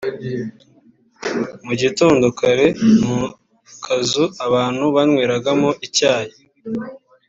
mu gitondo kare mu kazu abantu banyweragamo icyayi